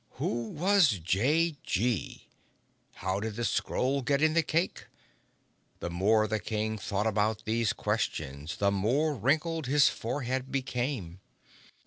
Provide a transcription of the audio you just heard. Who was J.G.? How did the scroll get in the cake? The more the King thought about these questions, the more wrinkled his forehead became.